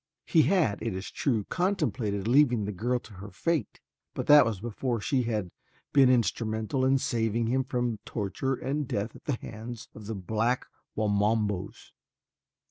He had, it is true, contemplated leaving the girl to her fate but that was before she had been instrumental in saving him from torture and death at the hands of the black Wamabos.